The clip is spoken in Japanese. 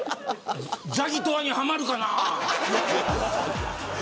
ザギトワにはまるかな。